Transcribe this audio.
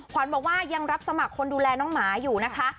ขวัญบอกว่ายังรับสมัครคนดูแลน้องหมาอยู่นะคะ